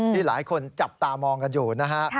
ที่หลายคนจับตามองกันอยู่นะฮะ